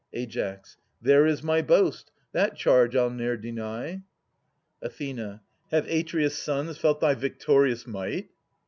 Ai. There is my boast ; that charge I '11 ne'er deny. Ath. Have Atreus' sons felt thy victorious might?